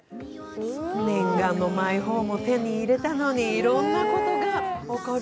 念願のマイホームを手に入れたのにいろんなことが起こる。